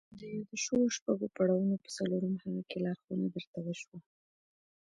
د يادو شويو شپږو پړاوونو په څلورم هغه کې لارښوونه درته وشوه.